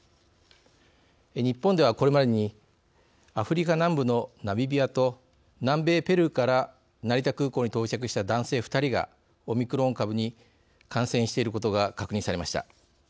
日本ではこれまでにアフリカ南部のナミビアと南米ペルーから成田空港に到着した男性２人がオミクロン株に感染していることが確認されました。